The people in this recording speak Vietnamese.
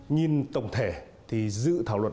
nhìn tổng thể thì dự thảo luật